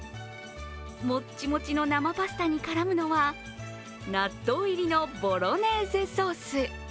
もっちもちの生パスタに絡むのは納豆入りのボロネーゼソース。